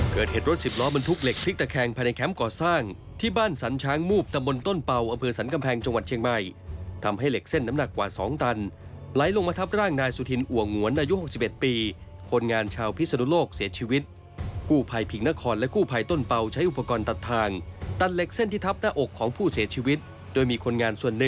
เกิดเหตุรถสิบล้อบันทุกเหล็กพลิกตะแคงภายในแคมป์ก่อสร้างที่บ้านสรรชางมูบตำบลต้นเป่าอำเภอสรรคำแพงจังหวัดเชียงใหม่ทำให้เหล็กเส้นน้ำหนักกว่าสองตันไหลลงมาทับร่างนายสุธินอ่วงหวนอายุหกสิบเอ็ดปีคนงานชาวพิสดุโลกเสียชีวิตกู้ภัยผิงนครและกู้ภัยต้นเป่าใช้อุปกรณ